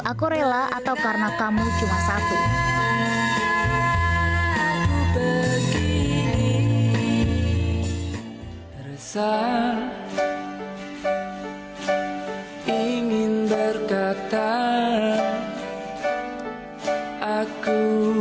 aku rela atau karena kamu cuma satu berdiri